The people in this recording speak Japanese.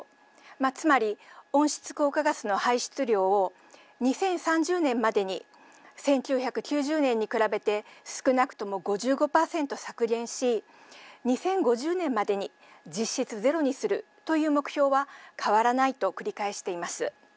まあ、つまり温室効果ガスの排出量を２０３０年までに１９９０年に比べて少なくとも５５％削減し２０５０年までに実質ゼロにするという目標は変わらないと繰り返しています。